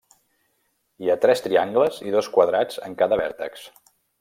Hi ha tres triangles i dos quadrats en cada vèrtex.